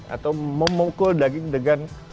atau memukul daging dengan